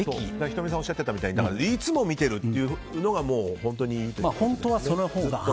仁美さんがおっしゃってたみたいにいつも見てるというのが本当にいいということですね。